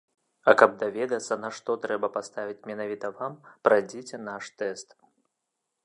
А каб даведацца, на што трэба паставіць менавіта вам, прайдзіце наш тэст.